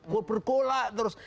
kok bergolak terus